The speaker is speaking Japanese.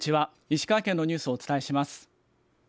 石川県のニュースをお伝えします。